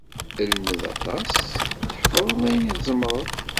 Lmed aṭas, tḥefḍeḍ ayen i tzemreḍ.